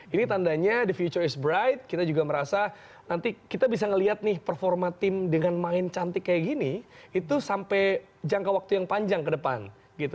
ini tandanya the futuris bright kita juga merasa nanti kita bisa melihat nih performa tim dengan main cantik kayak gini itu sampai jangka waktu yang panjang ke depan gitu